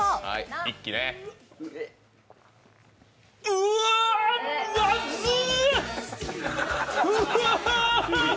うわー、まずっ！